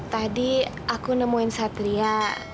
tadi aku nemuin satria